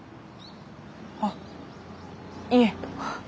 あっいえ。